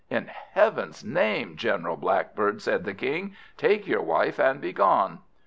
"In Heaven's name, General Blackbird," said the King, "take your wife, and begone."